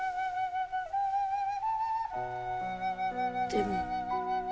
でも。